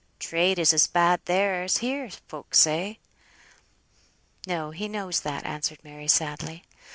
Trade is as bad there as here, folk say." "No; he knows that," answered Mary, sadly.